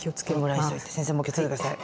先生も気をつけて下さい。